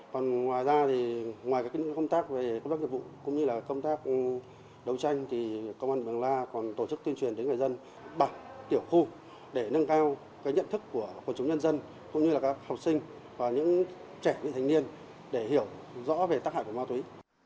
còn ngoài ra thì ngoài các công tác về công tác nghiệp vụ cũng như là công tác đấu tranh thì công an mường la còn tổ chức tuyên truyền đến người dân bản tiểu khu để nâng cao cái nhận thức của chúng nhân dân cũng như là các học sinh và những trẻ vị thành niên để hiểu rõ về tác hại của ma túy